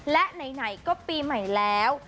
และไหนก็ปีใหม่แล้ว